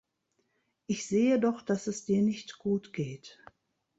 Ich sehe doch, dass es dir nicht gut geht.